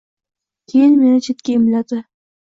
Keyin meni chetga imladi.